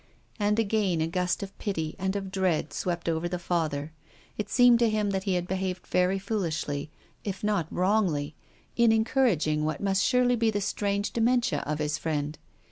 And again a gust of pity and of dread swept over the Father. It seemed to him that he had behaved very foolishly, if not wrongly, in encouraging what must surely be the strange dementia of his friend.